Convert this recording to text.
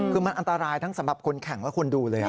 คือมันอันตรายทั้งสำหรับคนแข่งและคนดูเลย